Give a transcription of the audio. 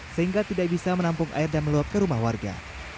sehingga tidak bisa menampung air dan meluap ke rumah warga